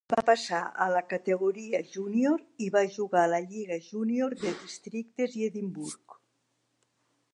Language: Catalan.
Va passar a la categoria júnior i va jugar a la Lliga Júnior de Districtes i Edimburg.